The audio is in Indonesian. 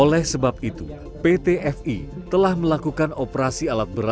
oleh sebab itu pt fi telah melakukan operasi alat berat